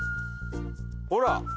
ほら！